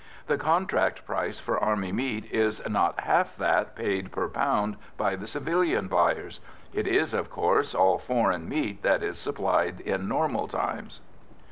The contract price for Army meat is not half that paid per pound by the civilian buyers; it is, of course, all foreign meat that is supplied in normal times.